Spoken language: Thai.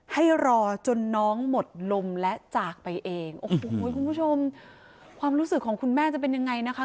ให้รอจนน้องหมดลมและจากไปเองโอ้โหคุณผู้ชมความรู้สึกของคุณแม่จะเป็นยังไงนะคะ